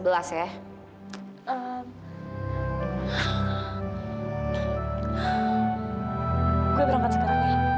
gue berangkat sekarang ya